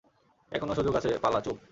এখনো সুযোগ আছে পালা - চুপ।